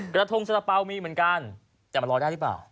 กระทงสาระเป๋ามีเหมือนกันแต่มันลอยได้หรือเปล่า